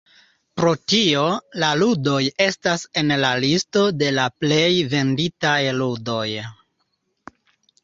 Pro tio, la ludoj estas en la listo de la plej venditaj ludoj.